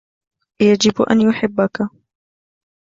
يجب ان يحبك